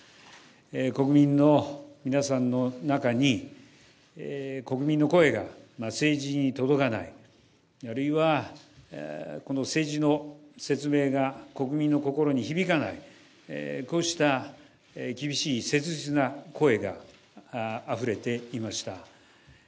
国民の皆さんの中に、国民の声が政治に届かない、あるいはこの政治の説明が国民の心に響かない、こうした厳しい切実な声があふれていました。